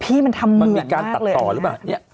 พี่มันทำเหมือนมากเลยนะครับพี่มันมีการตัดต่อหรือเปล่านี่